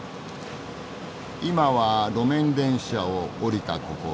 今は路面電車を降りたここ。